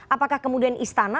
apakah kemudian istana